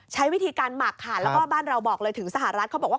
ใช้วิธีการหมักค่ะแล้วก็บ้านเราบอกเลยถึงสหรัฐเขาบอกว่า